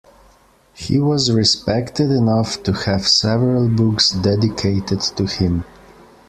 He was respected enough to have several books dedicated to him.